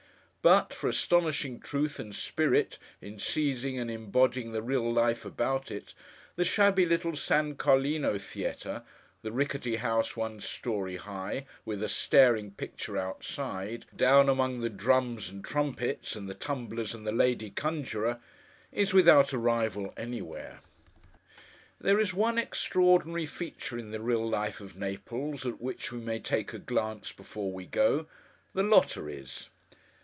But, for astonishing truth and spirit in seizing and embodying the real life about it, the shabby little San Carlino Theatre—the rickety house one story high, with a staring picture outside: down among the drums and trumpets, and the tumblers, and the lady conjurer—is without a rival anywhere. There is one extraordinary feature in the real life of Naples, at which we may take a glance before we go—the Lotteries.